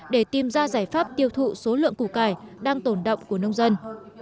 để tìm ra giải pháp tiêu thụ số lượng củ cải đang tồn động của nông dân